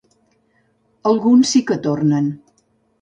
Alguns sí que tornen.